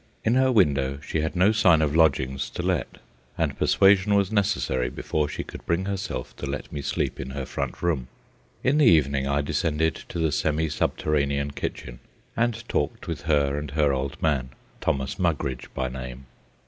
In her window she had no sign of lodgings to let, and persuasion was necessary before she could bring herself to let me sleep in her front room. In the evening I descended to the semi subterranean kitchen, and talked with her and her old man, Thomas Mugridge by name.